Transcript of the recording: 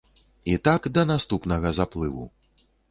І так да наступнага заплыву.